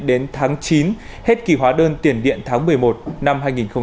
đến tháng chín hết kỳ hóa đơn tiền điện tháng một mươi một năm hai nghìn hai mươi